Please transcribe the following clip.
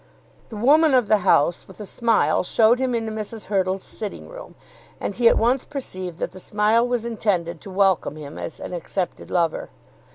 The woman of the house with a smile showed him into Mrs. Hurtle's sitting room, and he at once perceived that the smile was intended to welcome him as an accepted lover.